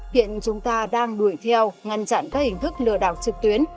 hiện chúng ta đang đuổi theo ngăn chặn các hình thức lừa đảo trực tuyến